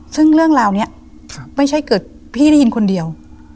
ซึ่งเรื่องราวนี้ไม่ใช่เกิดพี่ได้ยินคนเดียว